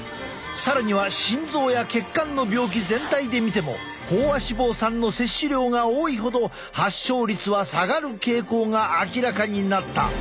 更には心臓や血管の病気全体で見ても飽和脂肪酸の摂取量が多いほど発症率は下がる傾向が明らかになった。